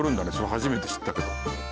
初めて知ったけど。